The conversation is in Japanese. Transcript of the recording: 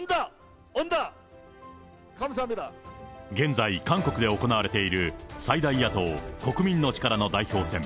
現在、韓国で行われている最大野党・国民の力の代表選。